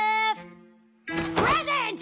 プレゼント！